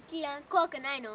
怖くないの？